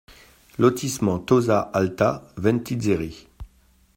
Lotissement Tozza Alta, Ventiseri